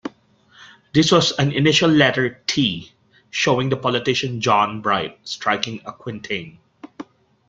This was an initial letter 'T' showing the politician John Bright striking a quintain.